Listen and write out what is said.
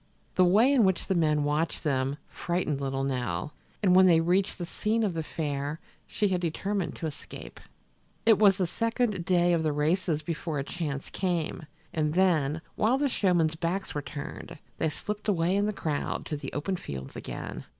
The way in which the men watched them frightened little Nell, and when they reached the scene of the fair she had determined to escape. It was the second day of the races before a chance came, and then, while the showmen's backs were turned, they slipped away in the crowd to the open fields again.